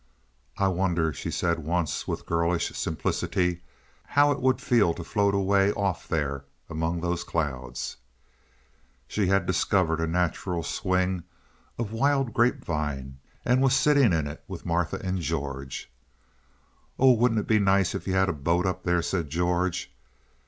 "I wonder," she said once with girlish simplicity, "how it would feel to float away off there among those clouds." She had discovered a natural swing of a wild grape vine, and was sitting in it with Martha and George. "Oh, wouldn't it be nice if you had a boat up there," said George.